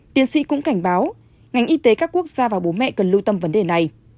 tiến sĩ cũng cảnh báo ngành y tế các quốc gia và bố mẹ cần lưu tâm vấn đề này